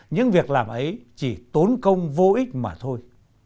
những việc làm ấy chỉ tốn công vô ích mà thôi